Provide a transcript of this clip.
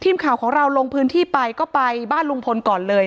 ถ้าใครอยากรู้ว่าลุงพลมีโปรแกรมทำอะไรที่ไหนยังไง